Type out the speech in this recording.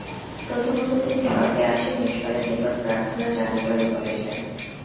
প্রথমত তিনি স্বর্গে আসীন ঈশ্বরের নিকট প্রার্থনা জানাইবার উপদেশ দেন।